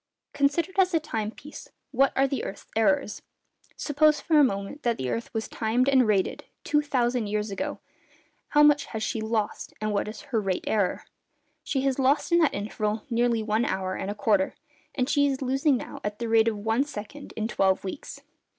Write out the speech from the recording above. Considered as a time piece, what are the earth's errors? Suppose, for a moment, that the earth was timed and rated two thousand years ago, how much has she lost, and what is her 'rate error?' She has lost in that interval nearly one hour and a quarter, and she is losing now at the rate of one second in twelve weeks.